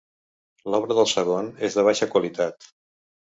L'obra del segon és de baixa qualitat.